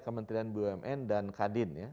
kementerian bumn dan kadin ya